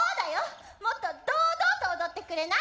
もっと堂々と踊ってくれない？